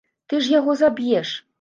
Ты ж яго заб'еш!